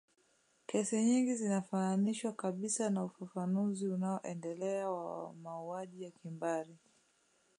Kesi nyingi zinafananishwa kabisa na ufafanuzi unao endelea wa mauaji ya kimbari